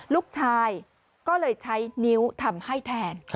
ลูกชายก็เลยใช้นิ้วทำให้แทน